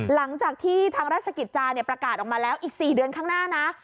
หลังจากที่ทางราชกิจจาประกาศออกมาแล้วอีก๔เดือนข้างหน้านะ